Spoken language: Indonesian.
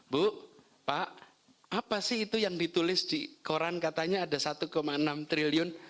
bu pak apa sih itu yang ditulis di koran katanya ada satu enam triliun